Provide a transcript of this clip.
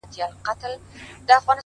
د شپې تیاره د شیانو شکل بدلوي.!